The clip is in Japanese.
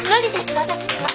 私には！